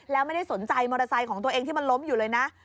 แล้วไม่ได้สนใจมอเตอร์ไซค์ของตัวเองที่มันล้มอยู่เลยนะ